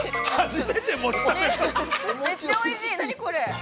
◆めっちゃおいしい、何これ？